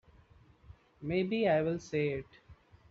Maybe I will say it.